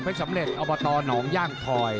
สำเร็จอบตหนองย่างทอย